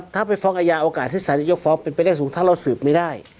ถ้าไปฟ้องอาญาโอกาสที่สารจะยกฟ้องเป็นไปได้สูงถ้าเราสืบไม่ได้